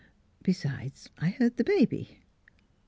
... Besides, I heard the baby."